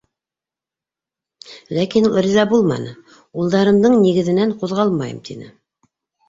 Ләкин ул риза булманы: «Улдарымдың нигеҙенән ҡуҙғалмайым», - тине.